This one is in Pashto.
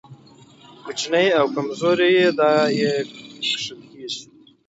کوچني او کمزوري دا يې کښل کېږي.